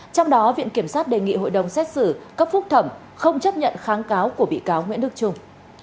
trong đó viện kiểm sát đề nghị hội đồng xét xử cấp phúc thẩm không chấp nhận kháng cáo của bị cáo nguyễn đức trung